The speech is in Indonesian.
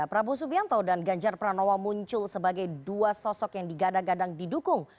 prabowo subianto dan ganjar pranowo muncul sebagai dua sosok yang digadang gadang didukung